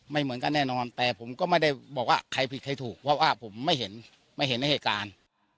ไม่เหมือนกันแน่นอนแต่ผมก็ไม่ได้บอกว่าใครผิดใครถูกเพราะว่าผมไม่เห็นไม่เห็นในเหตุการณ์